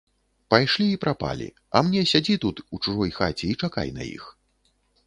Пайшлі і прапалі, а мне сядзі тут у чужой хаце і чакай на іх.